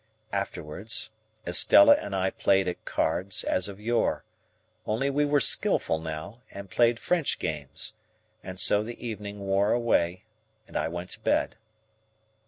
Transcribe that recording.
Afterwards, Estella and I played at cards, as of yore,—only we were skilful now, and played French games,—and so the evening wore away, and I went to bed.